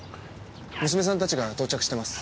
娘さんたちが到着してます。